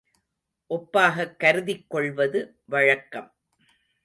ஒப்பாகக் கருதிக்கொள்வது வழக்கம்.